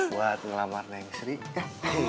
buat ngelamar neng sri ya